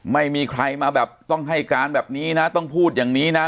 ไม่มีใครมาแบบต้องให้การแบบนี้นะต้องพูดอย่างนี้นะ